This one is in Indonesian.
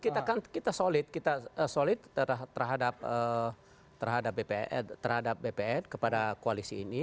kita kan solid terhadap bpn kepada koalisi ini